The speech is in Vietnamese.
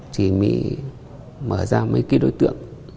chỉ mới mở ra mấy cái đối tượng